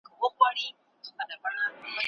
که باران وسي نو ځمکه لنده کېږي.